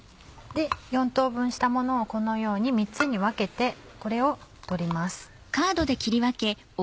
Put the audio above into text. ４等分したものをこのように３つに分けてこれを取ります。